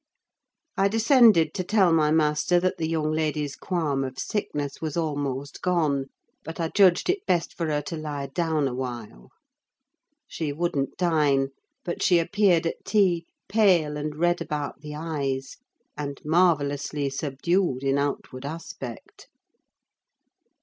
I descended to tell my master that the young lady's qualm of sickness was almost gone, but I judged it best for her to lie down a while. She wouldn't dine; but she reappeared at tea, pale, and red about the eyes, and marvellously subdued in outward aspect.